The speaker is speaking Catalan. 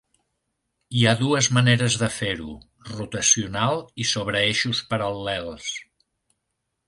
Hi ha dues maneres de fer-ho; rotacional i sobre eixos paral·lels.